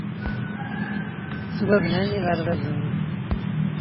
Ttwabnan yiɣerbazen.